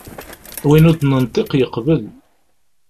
Win ur d-nenṭiq yeqbel.